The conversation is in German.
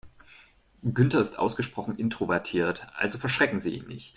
Günther ist ausgesprochen introvertiert, also verschrecken Sie ihn nicht.